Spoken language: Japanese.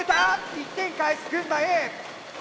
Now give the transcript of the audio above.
１点返す群馬Ａ。